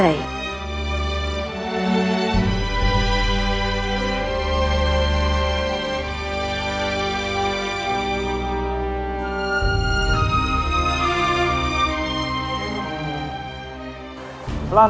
aku sudah pulang